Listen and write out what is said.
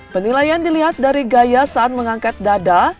penilaian dilihat dari gaya saat mengangkat dada